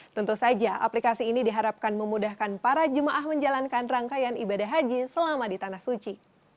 tentu saja aplikasi ini diharapkan memudahkan para jemaah menjalankan rangkaian ibadah haji selama di tanah suci